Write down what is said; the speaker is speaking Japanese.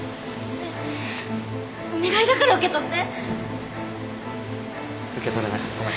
ねえお願いだから受け取って！